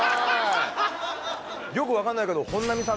よく分かんないけど本並さん